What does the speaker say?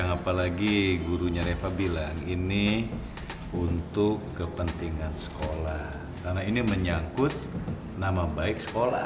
cara lain kan bisa untuk mengharumkan nama sekolah